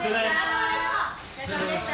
お疲れさまでした。